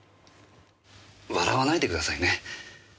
笑わないでくださいね。